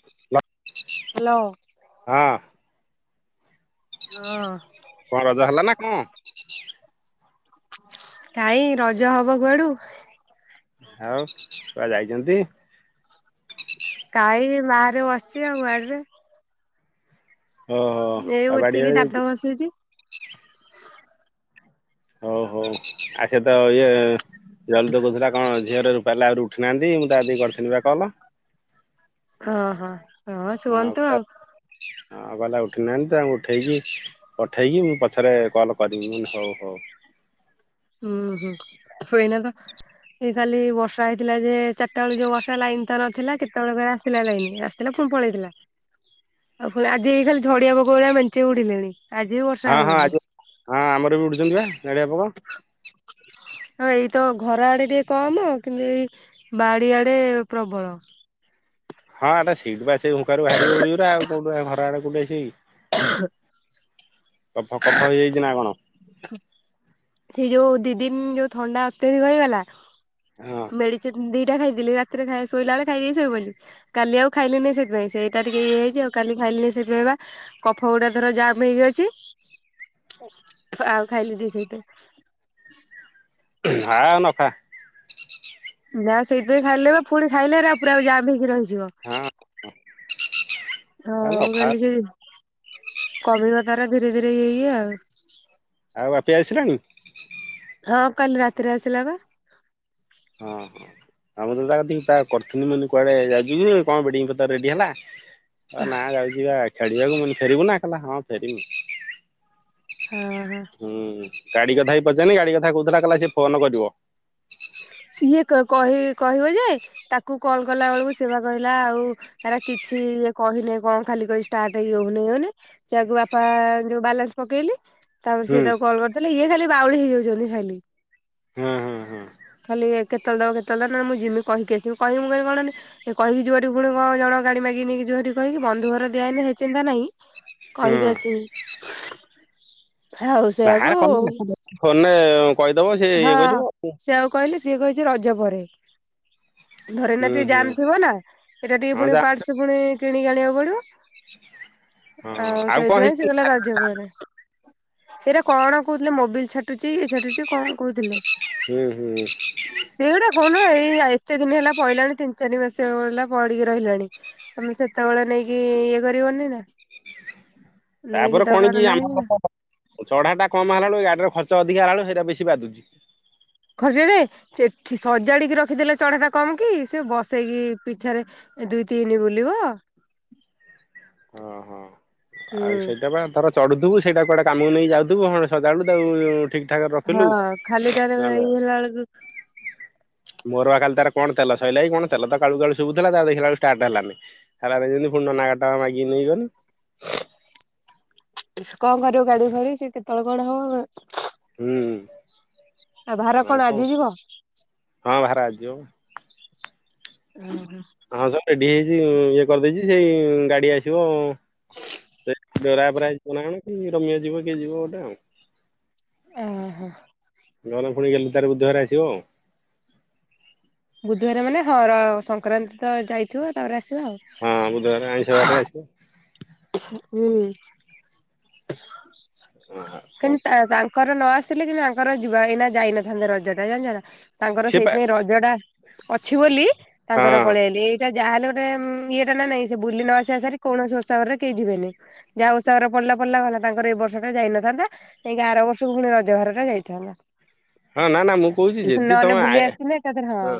[inaudible] Hello. ହଁ। ହଁ। କଣ ରଜ ହେଲା ନା କଣ? କାଇଁ ରଜ ହବ କୁଆଡୁ। ଆଉ କୁଆ ଯାଇଛନ୍ତି? କାଇବି ବାହାରେ ବସିଛି ଆଉ ବାଡିରେ। ଓହୋ ଆଉ ବାଡି ବେ ଯାଇଛୁ। ବସିଛି। [unintelligible] ଉଠି ନାହାନ୍ତି ମୁଁ ଦାଦି କରିଥିଲି ବା କଲ। ହଁ ହଁ ହଁ ଶୁଅନ୍ତୁ ଆଉ। ହଁ ଗଲା ଉଠିନାହାନ୍ତି ତାଙ୍କୁ ଉଠେଇକି। ପଠେଇକି ମୁଁ ପଛରେ କଲ୍ କରିିବି [unintelligible] ହଉ ହଉ। ହୁଁ ହୁଁ ଏଇନା ତ। ସେ ଖାଲି ବର୍ଷା ହେଇଥିଲା ଯେ ଚାରିଟା ବେଳେ ଯୋଉ ବର୍ଷା ଲାଇନ ତ ନଥିଲା କେତେବେଳେ ପୁଣି ଆସିଲା ଲାଇନ। ଥିଲା ପୁଣି ପଳେଇଥିଲା ଆଉ ପୁଣି ଆଜି ହେଇ ଖାଲି ଝଡିଆ ପୋକ ଗୁଡା ମଞ୍ଚେ ଉଡିଲେଣି। ଆଜି ବି ବର୍ଷା ହଁ ହେବ ହଁ ବୋଧେ। ଆଜି ହଁ ଆମର ବି ଉଡୁଛନ୍ତି ବା ନଡ଼ିଆ ପୋକ। ହଁ ଏଇତ ଘର ଆଡେ ଟିକେ କମ କିନ୍ତୁ ଏଇ ବାଡି ଆଡେ ପ୍ରବଳ। ହଁ ଏଟା ସିଟ୍ ବା ସେ ମୁୁଖାରୁ ବାହାରିବେ [unintelligible] ଘର ଆଡ କଉଠି ଆ। ହ କଫ କଫ ହେଇଯାଇଛି ନା କଣ? ସେ ଯୋଉ ଦି ଦିନ ଯୋଉ ଥଣ୍ଡା ଅତ୍ୟଧିକ ହେଇଗଲା। ମେଡିସିନ ଦିଟା ଖାଇଥିଲି, ରାତିରେ ଖାଇ ଶୋଇଲା ବେଳେ ଖାଇକି ଶୋଇପଡ଼ିଲି। କାଲି ଆଉ ଖାଇଲିନି ସେଇଥିପାଇଁ। ସେଇଟା ଟିକେ ଇଏ ହେଇଛି ଆଉ କାଲି ଖାଇଲିନି ସେଥିପାଇଁ ବା। କଫ ଗୁଡା ଧର ଜମ୍ ହେଇଯାଉଛି ଆଉ ଖାଇଲି ଟ ସେଇତ। ହଁ ନଖା। ନା ସେଇଥିପାଇଁ ଖାଇଲେ ବା ପୁଣି ଖାଇଲେ ଆ ପୁରା ଆଉ ଜାମ୍ ହେଇକି ରହିଯିବ। ହଁ ଆଉ ହଉ ନଖା କାଲି ସେ କମିବ ତାର ଧୀରେ ଧୀରେ ଇଏ ହେଇ ଆଉ। ଆଉ ବାପି ଆସିଲାଣି। ହଁ କାଲି ରାତିରେ ଆସିଲା ବା। ହଁ ହଁ। ଆଉ ତା କରିଥିଲି ମାନେ କୁଆଡେ ଯାଇଯିବ କଣ [unintelligible] ରେଡି ହେଲା। ହ ନାଁ ଯାଉଛି ବା ଖେଳିବାକୁ ମୁଁ ଫେରିବୁ ନା ହଁ ଫେରମି ହଁ ହଁ ହୁଁ ଗାଡି କଥା ହେଇ ପଚାରିନି ଗାଡି କଥା କହୁଥିଲା ସେ ଫୋନ କରିବ। ସିଏ କହି କହିବ ଯେ ତାକୁ କଲ କଲା ବେଳକୁ ସେବା କହିଲା ଆଉ ହେରା କିଛି ଇଏ କହିଲେ କଣ ଖାଲି କହି ଷ୍ଟାର୍ଟ ଇଏ ହଉନି ଇଏ ହଉନି ସେଇଆକୁ ବାପା ଯୋଉ ବାଲାନ୍ସ ପକେଇଲି ତାପରେ ହୁଁ ସିଏ ତାକୁ କଲ କରିଥିଲେ ଇଏ ଖାଲି ବାଉଳି ହେଇଯାଉଛନ୍ତି ଖାଲି ହୁଁ ହୁଁ ହୁଁ ଖାଲି କେତେଵେଳେ ଦବ କେତବେଳେ ଦବ ନା ମୁଁ ଯିମି କହିକି ଆସିବି କହିହିବଁ କଣ କହିକି ଯୋଅଠି ପୁଣି କଣ ଜଣଙ୍କ ଗାଡି ମାଗି ନେଇକି ଯଉଠି କହିକି ବନ୍ଧୁ ଘର ଦିଆଇନ ହେଚିନ୍ତା ନାହିଁ। ହୁଁ କହିକି ଆସିବି ଆଉ ସେଆକୁ ଫନେ ହଁ ସେ ଆଉ କହିଲେ ସିଏ କହିଛି ରଜ ପରେ ଧରିନା ହୁଁ ଟିକେ ହୁଁ ଜାମ୍ ଥିବ ନା ଏଇଟା ଟିକେ ହଁ ପୁଣି ଯା ପାଟର୍ସ ପୁଣି କିଣିକି ଆଣିବାକୁ ହଁ ପଡିବ। ଆଉ କଣ ସେଇଥିପାଇଁ ହେଇଛି ସେକହିଲା ରଜ ପରେ ସେଇଟା କଣ କହୁଥିଲେ ମୋଵିଲି ଛାଟୁଛି ଇଏ ଛାଟୁଛି କଣ କହୁଥିଲେ। ହୁଁ ହୁଁ ସେଇଗୁଟା କହୁନୁ ଏଇ ଏତେ ଦିନ ହେଲା ପହିଲାଣି ତିନି ଚାରି ମାସଲା ହେଲା ପଡିକି ରହିଲାଣି। ତମେ ସେତେବେଳେ ନେଇକି ଇଏ କରିବନି ନା ନେଇକି ତାପରେ କଣ ଦବାର କି ନାହିଁ ଆମ ନା ଚଢା ଟା କମ ହେଲା ଵେଳକୁ ଗାଡିର ଖର୍ଚ୍ଚ ଅଧିକ ହେଲା ବେଳକୁ ସେଇଟା ବେଶୀ ବାଧୁଛି। ଖର୍ଚ୍ଚ ଯେ ସେଠି ସଜାଡିକି ରଖିଦେଲେ ଚଢା ଟା କମ କିି ସେ ବସେଇକି ପିଛାରେ ଦୁଇ, ତିନି ବୁଲିବ ଓଁ ହଁ ହୁଁ ଆଉ ସେଇଟା ବା ତାର ଚଢ଼ୁଥୁବୁ ସେଇଟା କୁଆଡ଼େ କାମକୁ ନେଇ ଯାଉଥିବୁ ହଁଣ ସଜାବେଳୁ ତାଉ ଠିକ୍ ଠାକ୍ ରେ ହଁ ରଖିଲୁ ଖାଲିଟାରେ ହେଲା ଇଏ ବେଳକୁ ମୋରୁଆ କାଲି ତାର କଣ ତଲ ସଇଲାଇ କି କଣ ତଲ ତ କାଳୁ କାଳୁ ଶୁଭୁଥିଲା ତା ଦେଖିଲା ବେଳକୁ ଷ୍ଟାର୍ଟ ହେଲାନି। ହେଲାନି ଯେମିତି ଫୁଣି ନନା ଗାଡ଼ିଟା ମାଗିକି ନେଇଗନୁ କଣ କରିବ ଗାଡି ଫାଡି ସେ କେତେବେଳେ କଣ ହବ ହୁଁ ଆଉ ଭାର କଣ ଆଜି ଯିବ। ହଁ ଭାର ଆଜି ଯିବ ବା ଓ ହୋ ହଁ ସବୁ ରେଡି ହେଇଛି ଇଏ କରିଦେଇଛି ସେଇ ଗାଡି ଆସିବ ଅ ସେ ଡରା ବରା ଯିବ ନା କଣ କି ରମ୍ୟ ଯିବ କିଏ ଯିବ ଗୋଟେ ଆଉ ଓ ହ ନହେଲେ ଏଲି ପୁଣି ତାର ବୁଧରେ ଆସିବ ଆଉ ବୁଧବାର ମାନେ ହଁ ସଂକ୍ରାନ୍ତି ତ ଯାଇଥିବ ତାପରେ ଆସିବ ହଁ ବୁଧବାର ଆଉ [inaudible] ହୁଁ [unintelligible] ହଁ ହଁ ଙ୍କର ନ ଆସିଥିଲେ କିନ୍ତୁ ଆଙ୍କର ଯିବା ଏଇନା ଯାଇନଥାନ୍ତେ ରଜ ଟା ଜାଣିଛ ନା ତାଙ୍କର ସିଏ ପା ସେଇଥିାଇଁ ରଜ ଟା ଅଛି ବୋଲି ତାଙ୍କର ହଁ ପଳେଇଲି ଏଇଟା ଯାହାହେଲେ ଉଁ ଇଏଟା ନା ନାଇଁ ସେ ବୁଲି ନ ଆସିଆ ସାରି କୌଣସି ଓଷା ବାରରେ କେହି ଯିବେନି ଯାହା ଓଷା ବାର ପଡିଲା ପଡିଲା ଗଲା ତାଙ୍କର ଏଇ ବର୍ଷ ଟା ଯାଇନଥାନ୍ତା। ଯାଇକି ଆର ବର୍ଷକୁ ପୁଣି ରଜଭାର ଟା ଯାଇଥାନ୍ତା। ହଁ ନା ନା ମୁଁ କହୁଛି ଯଦି ନହେଲେ ତମେ ଆ ବୁଲି ଆସିଥିଲେ ଏକାଥରେ ହଁ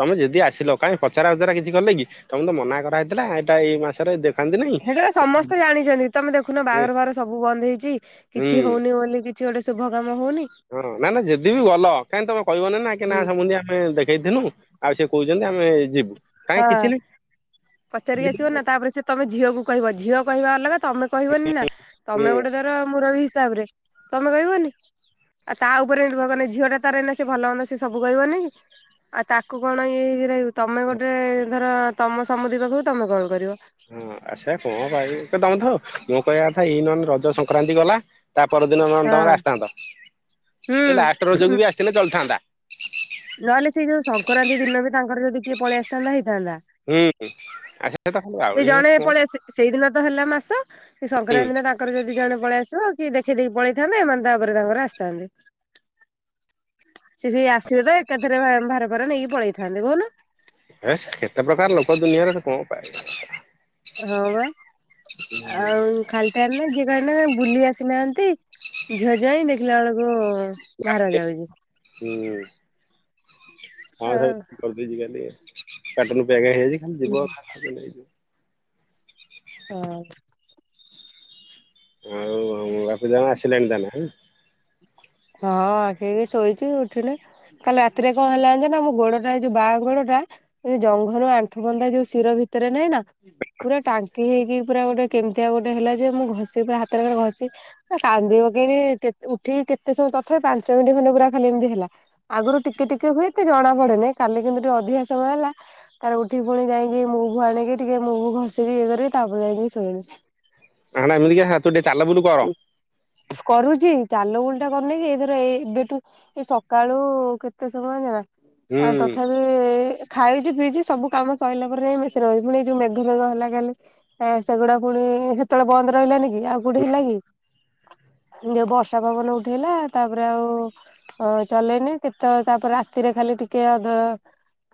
ତମେ ଯଦି ଆସିଲ କାଇହିଁ ପଚରା ଉଚରା କିଛି କଲେ କି ତମେ ତ ମନା କରାହେଇଥିଲା ଏଇଟା ଏଇ ମାସରେ ଦେ ସେଟା ତ ସମସ୍ତେ ଜାଣିଛନ୍ତି ତମେ ଦେଖୁନ ବାହାଘର ବାଘର ସବୁ ବନ୍ଦ ହେଇଛି ହୁଁ କିଛି ହଉନି ବୋଲି କି। କିଛି ଗୋଟେ ଶୁଭ କାମ ହଉନି। ହଁ, ନା ନା ଯଦି ବି ଗଲ କାହିଁକି ତମେ କହିବନି ନା ନା ହୁଁ। ସମୁଦି ଆମେ ଦେଖେଇଥିନୁ। ଆଉ ସେ କହୁଛନ୍ତି ଆମେ ଯିବୁ, ହଁ କାହିଁ କିଛି ନାହିଁ। ପଚାରିକି ଆସିବ ନା ତାପରେ ସେ ତମେ ଝିଅକୁ କହିବ ଝିଅ କହିବା ଅଲଗା ତମେ କହିବନି ନା। ହୁଁ ତମେ ଗୋଟେ ଧର ମୁରବି ହିସାବ ରେ ତମେ କହିବନି। ଆଉ ତା ଉପରେ ନିର୍ଭର କନେ ଝିଅ ଟା ତାର ଏଇନା ସେ ଭଲମନ୍ଦ ସେ ସବୁ କହିବନି କି। ଆଉ ତାକୁ କଣ ଇଏ ହେଇକି ରହିବ ତମେ ଗୋଟେ ଧର ତମ ସମୁଦି ପାଖକୁ ତମେ କଲ୍ କରିବ। ହୁଁ, ଆସା କଣ ପାଇଁ କେ ଦମଥ ମୁଁ କହିବା କଥା ଇ ନହେଲେ ରଜ ସଂକ୍ରାନ୍ତି ଗଲା। ତା ପରଦିନ ନହେନେ ହଁ ତମର ଆସିଥାନ୍ତ। ହୁଁ ଏ ଲାଷ୍ଟ ରଜକୁ ବି ଆସିଥିଲେ ଚଳିଥାନ୍ତା। ନହେଲେ ସେଇ ଯୋଉ ସଂକ୍ରାନ୍ତି ଦିନ ବି ତାଙ୍କର ଯଦି କିଏ ପଳେଇ ଆସିଥାନ୍ତା ହେଇଥାନ୍ତା। ହୁଁ ଆ ସେ ତ ଖାଲି ଏ ଆଉଳି ହେଇ ଜଣେ କଣ ପଳେଇ ସେଇଦିନ ତ ହେଲା ମାସ। ଏ ହୁଁ ସଂକ୍ରାନ୍ତି ଦିନ ତାଙ୍କ ତାଙ୍କର ଯଦି ଜଣେ ପଳେଇଆସିବ କି ଦେଖେଇଦେଇକି ପଳେଇଥାନ୍ତେ, ଏମାନେ ତାପରେ ତାଙ୍କର ଆସିଥାନ୍ତେ। ସେ ସେଇ ଆସିବେ ତ ଏକାଥରେ ଭାର ଫାର ନେଇକି ପଳେଇଥାନ୍ତେ କହୁନ। ହେସ୍ କେତେ ପ୍ରକାର ଲୋକ ଦୁନିଆରେ ସେ କଣ ପାଇବୁ। ହଁ ପା ଆଉ ଖାଲିଟାରେ ନା ଯିଏ କହିବ ନା ବୁଲି ଆସିନାହାନ୍ତି। ଝିଅ ଜ୍ବାଇଁ ଦେଖିଲା ବେଳକୁ ଭାର ଯାଉଛି। ହୁଁ, ହଁ ଆଉ ସେଇ ବୁଲି ବାଲି କାର୍ଟୁନ୍ ପ୍ୟାକ୍ ହେଇଯାଇଚି ଖାଲି ଯିବ ଭାରକୁ ନେଇକି। ହଁ। ଆଉଁ ବାପ ଯାଣ ଆସିଲେଣିି ତାନଲେ ହଁ [unintelligible] ହଁ ଆଖେଇକି ଶୋଇଛୁ ଉଠିନେ। କାଲି ରାତିରେ କଣ ହେଲା ଯାଣିଚ ନା? ମୋ ଗୋଡଟା ଏଇ ଯୋଉ ବାଁ ଗୋଡଟା। ଏ ଜଙ୍ଘରୁ ଆଣ୍ଠୁ ପର୍ଯ୍ୟନ୍ତ ଯୋଉ ଶିର ଭିତରେ ନାହିଁ ନା? ପୁରା ଟାଙ୍କି ହେଇକି ପୁରା ଗୋଟେ କେମିତିଆଉ ଗୋଟେ ହେଲା ଯେ ମୁଁ ଘଷି ପୁର ହାତରେ ଘଷି କାନ୍ଦି ପକେଇଲି କେତ୍ ଉଠିକି କେତେ ସମୟ ତଥାପି ପାଞ୍ଚ ମିନିଟ ଖାନେ ପୁରା ଖାଲି ଏମିତି ହେଲା। ଆଗରୁ ଟିକେ ଟିକେ ହୁଏ ଏତେ ଜଣା ପଡେନି କାଲି କିନ୍ତୁ ଟିକେ ଅଧିକା ସମୟ ହେଲା। ତାପରେ ଉଠି ପୁଣି ଯାଇକି ମୁଭ୍ ଆଣିକି ଟିକେ ମୁଭ୍ ଘସିକି ଇଏ କରିକି ତାପରେ ଯାଇକି ଶୋଇଲି। ଆଣ ଏମିତି କିସ ତୁ ଟିକେ ଚାଲ ବୁଲୁ କର। କରୁଛି ଚାଲ ବୁଲ ଟା କରୁନେଇ କି ଏଇଥର ଏ ଏବେଠୁ। ଏଇ ସକାଳୁ କେତେ ସମୟ ଯାଣିଛନା? ହୁଁ। ଆ ତଥାପି ଏ ଖାଇଛି ପିଇଛି ସବୁ କାମ ସରିଲା ପରେ ଯାଇଁ କି [unintelligible] ପୁଣି ଏ ଯୋଉ ମେଘ ପେଘ ହେଲା କାଲି। ଏ ସେଗୁଡା ପୁଣି ହେତେବେଳ ବନ୍ଦ ରହିଲାନି କି ଆଉ କୋଉଠି ହେଲା କି। ଯୋଉ ବର୍ଷା ପବନ ଉଠେଇଲା ତାପରେ ଆଉ ଅ ଚଲେଇନି କେତେବେଳ ତାପରେ ରାତିରେ ଖାଲି ଟିକେ ଅଧ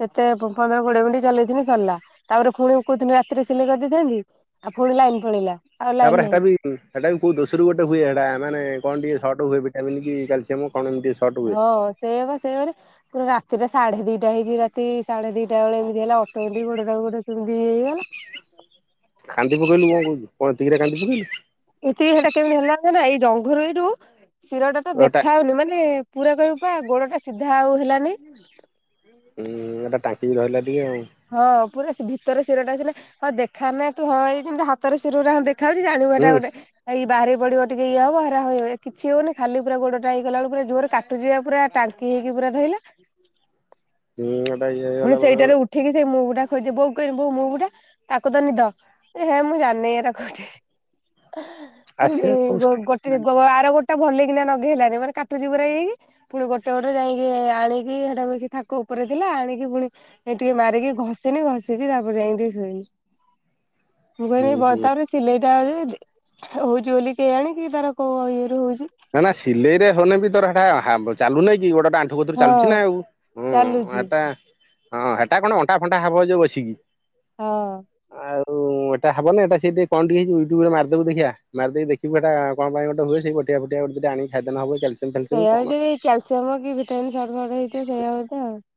କେତେ ପନ୍ଦର କୋଡିଏ ମିନିଟ ଚଲେଇିନି ସରିଲା ତାପରେ ପୁଣି କହୁିନି ରାତିରେ ସିଲେଇ କରିଦେଇଥାନ୍ତି। ଆଉ ଫୁଣି ଲାଇନ୍ ପଳେଇିଲା ଆଉ ଲାଇନ୍ ନାହିଁ। ହୁଁ ହେଟା ବି କୋଉ ଦୋଷରୁ ଗୋଟେ ହୁଏ ହେଟା ମାନେ କଣ ଟିକିଏ ସଟ୍ ହୁଏ ଭିଟାମନ୍ କି କ୍ୟାଲ୍ସିୟମ୍। କଣ ଏମିତି ସର୍ଟ ହୁଏ। ସେୟା ପା ସେୟା କରେ। ପୁରା ରାତିଟା ସାଢେ ଦିଟା ହେଇଛି ରାତି ସାଢେ ଦିଟା ବେଳେ ଏମିତି ହେଲା ଅଟୋମେଟିକ୍ ଗୋଡ଼ଟା ଗୋଟେ କେମିତି ଇଏ ହେଇଗଲା। ହ [inaudible] [unintelligible] କାନ୍ଦି ପକେଇଲୁ କଣ କହୁଚୁ, କଣ ଏତିକିରେ କାନ୍ଦି ପକେଇଲୁ? ଏତିକି ସେଇଟା କେମିତି ହେଲା କହନା ଏଇ ଜଙ୍ଘରୁ ଏଇଠୁ ଶିରଟା ତ ଏଟା ଦେଖା ହଉନି ମାନେ ପୁରା କହିବୁ ପା ଗୋଡ ଟା ସିଧା ଆଉ ହେଲାନି। ହୁଁ ଏଟା ଟାଙ୍କିକି ଧଇଲା ଟିକେ ଆଉ। ହଁ ପୁରା ସେ ଭିତର ଶିରଟା ହଁ ଦେଖାନା ତୁ ହଁ ଏମିତି ହାତର ଶିର ଦେଖ ଖାଲି ହୁଁ ଜାଣିବାଟା ଗୋଟେ ଏଇ ବାହାରି ପଡିବ ଟିକେ ଇ ହବ ହରା ହଇ କିଛି ହଉନି ଖାଲି ପୁରା ଗୋଡଟା ହେଇଗଲା ବଳ ପୁରା କାଟୁଛି ଜୋରେ କାଟୁଛି ପୁରା। କି ହେଇକି ପୁରା ଧଇଲା ହୁଁ ଏଟା ଇଏ ପୁଣି ହେଇଗଲା ବେଳେ ବେଳେ ସେଇଟାରେ ଉଠେଇକି ସେଇ ମୁଁ ମୁଭଟା ଖୋଜି, ବୋଉ କହନି ବୋଉ ମୁଁ ମୁଭଟା? ତାକୁ ତ ନିଦ। ହେ ମୁଁ ଜାଣିନି ଏରା କୋଉଠି, ଆସେ ପୁଣି ହୁଁ ଗୋଟେ ଆର ଗୋଟା ଭଲ କିନା ନା ନଗେଇ ହେଲାନ ମାନେ କାଟୁଛି ପୁରା ଏଇକି। ପୁଣି ଗୋଟେ ଗୋଟେ ଯାଇକି ଆଣିକି ସେଟା କରୁଛି ତାଙ୍କ ଉପରେ ଥିଲା ଆଣିକି ପୁଣି ଟିକେ ମାରିକି ଘଷିନି ଘଷିକି ତାପରେ ଯାଇକି ଟିକେ ଶୋଇବି। [inaudible] ମୁଁ କହିଲି ହୁଁ। ବତାବରେ ସିଲେଇଟା ହଉଛି ବୋଲି କେଜାଣି ତାର କୋଉ ଇଏ ରୁ ହଉଛି। ନା ନା ସିଲେଇରେ ହନେ ବି ତୋରଟା ଚାଲୁନାଇଁ କି ଗୋଟେ ଗୋଟେ ଆଣ୍ଠୁ ସବୁଥିରୁ ଚାଲୁଛି ହଁ ନା ଆଉ ହଁ ଚାଲୁଛି ଏଟା ହଁ ଏଟା କଣ ଅଣ୍ଟା ଫଣ୍ଟା ହବ ଯୋଉ ବସିକି ହଁ ହଁ ଏଟା ହବ ନା ଏଇଟା ସେ କଣ ଟିକେ ହେଇଛି ୟୁଟୁବରେ ମାରିଦେଖିବୁ, ମାରିଦେଖିବୁ ଏଇଟା କଣ ଗୋଟ ହୁଏ ସେଇଟେ ବଟିକା ଫଟିକା ଆଣି ଖାଇଦେଲେ ହବ। କ୍ୟାଲସିୟମ ଫ୍ୟାଲସିୟମ ସେଇଆ କଣ କି କ୍ୟାଲସିୟମ କି ଭିଟାମିନ ଶର୍ଟ କଟ ହେଇଥିବ ସେଇଆ ଗୋଟେ ଆଉ।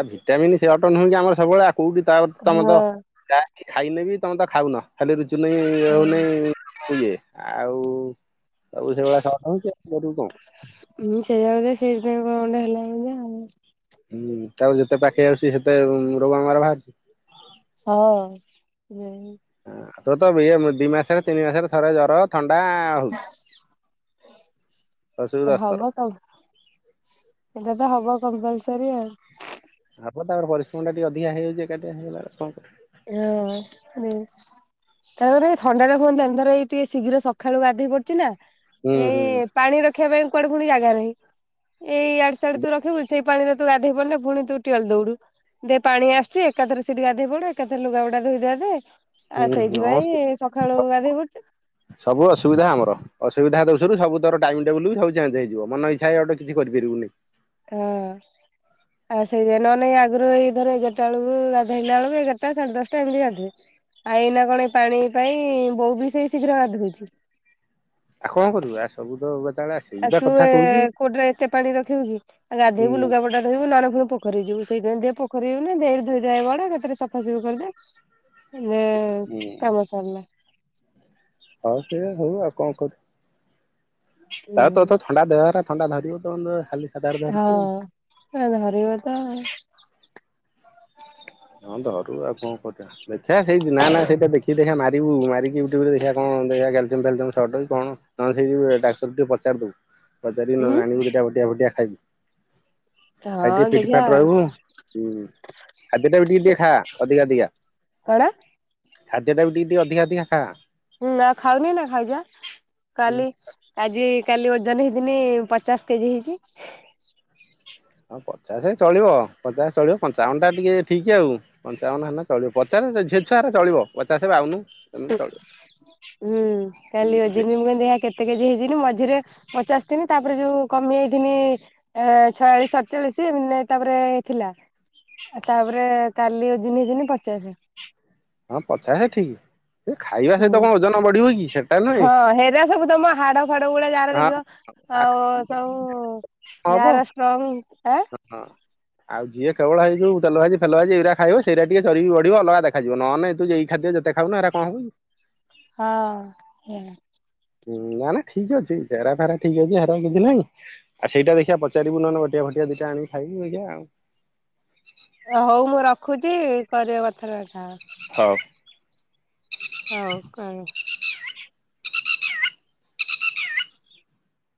ଆଉ ଭିଟାମିନ ସେଆତ ନୁହଁ କି ଆମର ସବୁବେଳେ ଆଉ କୋଉଠି ତା ତମର ତ ହଁ। ଯାହାକି ଖାଇନେ ବି ତମେ ତ ଖାଉନ ଖାଲି ରୁଚୁ ନାହିଁ ଇଏ ହଉନାହିଁ, ଇଏ ଆଉ ସବୁ ସେଇଭଳିଆ ଶର୍ଟ ହଉଛି ଆଉ କରିବି କଣ? ହଁ ସେୟା ବୋଧେ ସେଇଥିପାଇଁ କଣ ଗୋଟେ ହେଲା ବୋଧେ ଆଉ। ହୁଁ, ତାକୁ ଯେତେ ପାଖେଇ ଆସୁଛି ସେତେ ରୋଗ ଆମର ବାହାରିଛି। ହଁ ତୋର ତ ଏୟା ଦି ମାସରେ, ତିନି ମାସରେ ଥରେ ଜର, ଥଣ୍ଡା ହଁ, ହଉଛି ଦଶରୁ ଦଶ ଥର। ଏଇଟା ତ ହବ କମ୍ପଲସରୀ ଆଉ। ତାପରେ ତାପରେ ପରିଶ୍ରମ ଟିକେ ଅଧିକା ହେଇଯାଉଛି ଏକାଠି ହେଇଗଲା ଆଉ କଣ କରିବା? ହଁ, ହୁଁ। ତାପରେ ଥଣ୍ଡାଟା କଣ [unintelligible] ଶୀଘ୍ର ସକାଳୁ ଗାଧେଇ ପଡୁଛି ନା। ହୁଁ ହୁଁ। ଏଇ ପାଣି ରଖିବାପାଇଁ କୁଆଡେ ପୁଣି ଜାଗା ନାହିଁ ଏଇ ଆଡେ ସଆଡେ ତୁ ରଖିବୁ ସେଇ ପାଣିରେ ତୁ ଗାଧେଇ ପଡିଲେ ପୁଣି ତୁ ଠେଲି ଦଉଛୁ, ଦେଇ ପାଣି ଆସୁଛି ଏକାଥରେ ସେଠି ଗାଧେଇ ପଡ଼ିବେ। କେତେ ଲୁଗା ବୁଡା ଧୋଇଦବା ଦେ ଆଉ ହୁଁ ହଁ ସେଇଥିପାଇଁ ସକାଳୁ ଗାଧୋଇପଡ଼େ। ସବୁ ଅସୁବିଧା ଆମର। ଅସୁବିଧା ଦଉ ସବୁତୋର ଟାଇମ ଟେବୁଲ ସବୁ ଚେଞ୍ଜ ହେଇଯିବ ମନ ଇଛା କିଛି କରିପାରିବୁନି। ହଁ ଆଉ ସେଇଆ ନହେଲେ ଆଗରୁ ଏଇ ଧର ଏଗାରଟା ବେଳକୁ, ଗାଧୋଇଲା ବେଳକୁ ଏଗାରଟା ସାଢେ ଦଶଟା ଏମିତି ଗାଧାଉ। ଏଇନା କଣ ଏ ପାଣି ପାଇଁ ବୋଉବି ସେଇ ଶୀଘ୍ର ଗାଧଉଛି। ଆଉ କଣ କରିବୁ ଆ [unintelligible] ବେଳେବେଳେ ଆସୁଛି। ଆଉ ତୁ କୋଉଠୁରେ ଏତେ ପାଣି ରଖିବୁ କି ହୁଁ ଗାଧେଇବୁ, ଲୁଗାପଟା ଧୋଇବୁ ନହେଲେ ପୁଣି ପୋଖରୀ ଯିବୁ ସେଇଥିପାଇଁ ପୋଖରିକୁ ଗଲି ଏଠି ଧୋଇଦ୍ଧାଇ ହେଇ ପଡିବୀ ସଫାସଫା କରିଦେ। ହୁଁ ହେଁ କାମସରିଲା। ହଉ ସେ ହଉ ଆଉ କଣ କରିବୁ। ହୁଁ ତାପରେ ତୋର ତ ଥଣ୍ଡା ଦେହତା ଥଣ୍ଡା ଧରିବ ତୋ ଦେହରେ। ହଁ ଏ ଧରିବ ତ ହଁ ଧରୁ ଆଉ କଣ କରିବା ଦେଖିଆ ସେଇ ନା ନା ସେଇଟା ଦେଖି ଦେଖ ମାରିବୁ ମାରିକି ୟୁ ଟିବୁ ରେ ଦେଖିବା କଣ ଦେଖିଆ କାଲସିୟମ୍ ଫ୍ୟାଲିସିୟ ସଟ କି କଣ ହଁ ସେଇ ଡାକ୍ତର କୁ ଟିକେ ପଚାରିଥିବୁ। ପଚାରିକି ନ ହୁଁ ହେଲେ ଆଣିବୁ ଦିଟା ବଟିକା ଫଟିକା ଖାଇବି। ଖାଇକି ହଁ ଟିକେ ଫିଟ ଦେଖିଆ ଫାଟ ଆଉ ରହିବୁ ହୁଁ। ଖାଦ୍ୟ ଟା ବି ଟିକେ ଟିକେ ଖା ଅଧିକା ଅଧିକା କଣ ଖାଦ୍ୟ ଟା ବି ଟିକେ ଟିକେ ଅଧିକା ଅଧିକା ଖା। ହୁଁ ନା ଖାଉନି ନା ଖାଇଯା କାଲି ଆଜି କାଲି ଓଜନ ହେଇଥିନି ପଚାଶ କେଜି ହେଇଛି‌। ହଉ ପଚାଶ ଚଳିବ ପଚାଶ ଚଳିବ ପଞ୍ଚାବନଟା ଟିକେ ଠିକ୍ ଆଉ। ପଞ୍ଚାବନ ହେଲେ ଚଳିବ ପଚାଶ ଝିଅ ଛୁଆ ହେରେ ଚଳିବ ପଚାଶ ବାଉନ। ହୁଁ ଖାଲି ଅୋଜ ନିମ ଗ ହାକ [unintelligible] କେତେ କେଜି ହେଇଥିନି ମଝିରେ ପଚାଶ ଥିଲି ତାପରେ ଯୋଉ କମି ଯାଇଥିନି ଏ ଛୟାଳିଶ ସତଚାଳିଶ ମେନେ ତାପରେ ଥିଲା। ଆଉ ତାପରେ କାଲି ଓଜନ ହେଇଥିନି ପଚାସେ। ହଁ ପଚାସେ ଠିକି ସେ ଖାଇବା ସହିତ କଣ ଓଜନ ବଢିବ କି ସେଟା ନୁହେଁ। ହଁ ହେରା ସବୁ ତମ ହାଡ ଫାଡ ଗୁଳା ଯାର ହଁ ଦେଖିବ ଆଉ ଆଖାମ ସବୁ ହବ ଯାର ଷ୍ଟ୍ରଙ୍ଗ ଏଁ? ହଁ ଆଉ ଯିଏ କେବଳ ହେଇ ଯଉ ତେଲ ଭାଜି ଫେଲ ଭାଜି ଏଇରୁ ଖାଇବ ସେଇରା ଟିକେ ଚରିବି ବଢିବ ଅଲଗା ଦେଖାଯିବ। ଯିବ ନହେ ନାଇଁ ତୁ ଏଇ ଖାଦ୍ୟ ଯେତେ ଖାଉନ ଏରା କଣ ହବ କି? ହଁ। ହୁ [unintelligible] ହୁଁ ନା ନା ଠିକ ଅଛି ଚେହେରା ଫେରା ଠିକ୍ ଅଛି ହେରା କିଛି ନାଇଁ ସେଇଟା ଦେଖିବା ପଚାରିବୁ ନହନେ ବଟିକା ଫଟିକା ଦିଟା ଆଣିକି ଖାଇବି ଦେଖିଆ ଆଉ। ହଉ ମୁଁ ରଖୁଛି କରିବା କଥର କଥାହେବା। ହଉ। ହଉ କର।